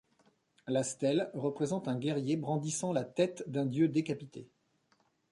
La stèle représente un guerrier brandissant la tête d'un Dieu décapité.